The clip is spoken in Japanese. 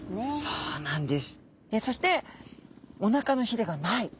そうなんです！